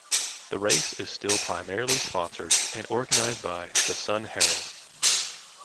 The race is still primarily sponsored and organised by "The Sun-Herald".